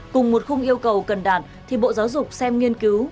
cùng một khung yêu cầu cần đạt thì bộ giáo dục xem nghiên cứu